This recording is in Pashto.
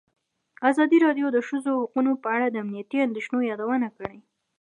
ازادي راډیو د د ښځو حقونه په اړه د امنیتي اندېښنو یادونه کړې.